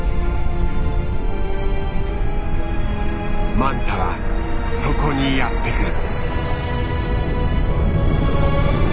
マンタはそこにやって来る。